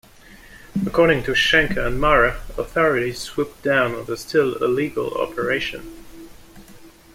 According to Schanke and Marra, authorities swooped down on the still-illegal operation.